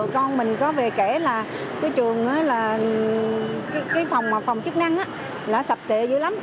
con mình có về kể là cái trường là cái phòng chức năng là sập xệ dữ lắm